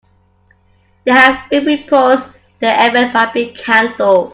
There have been reports the event might be canceled.